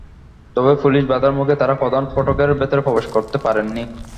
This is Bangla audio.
তবে পুলিশি বাধার মুখে তাঁরা প্রধান ফটকের ভেতরে প্রবেশ করতে পারেননি।